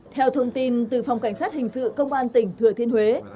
theo thông tin từ phòng cảnh sát hình sự công an tỉnh thừa thiên huế